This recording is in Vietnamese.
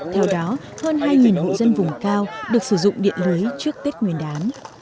theo đó hơn hai hộ dân vùng cao được sử dụng điện lưới trước tết nguyên đán